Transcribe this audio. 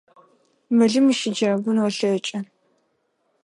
Мылым ущыджэгун олъэкӏы.